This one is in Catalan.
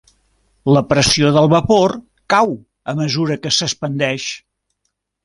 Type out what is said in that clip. La pressió del vapor cau a mesura que s'expandeix.